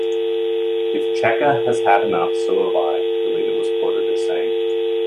"If Checcha has had enough, so have I," Deledda was quoted as saying.